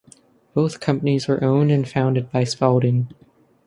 Both companies were owned and founded by Spalding.